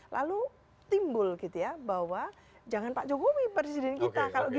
lalu timbul bahwa jangan pak jokowi presiden kita